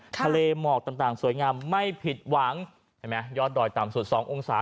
ทะเลหมอกต่างสวยงามไม่ผิดหวังเห็นไหมยอดดอยต่ำสุด๒องศา